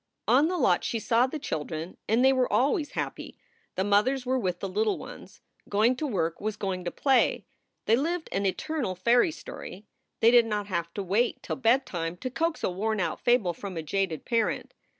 On the lot she saw the children, and they were always happy. The mothers were with the little ones. Going to work was going to play. They lived an eternal fairy story. They did not have to wait till bedtime to coax a worn out fable from a jaded parent.